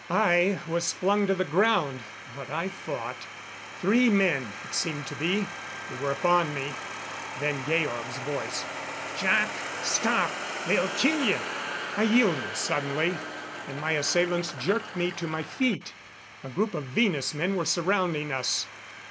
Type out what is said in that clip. I was flung to the ground, but I fought three men, it seemed to be, who were upon me. Then Georg's voice: "Jac! Stop they'll kill you." I yielded suddenly, and my assailants jerked me to my feet. A group of Venus men were surrounding us.